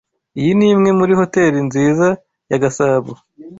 Iyi ni imwe muri hoteri nziza ya Gasabo.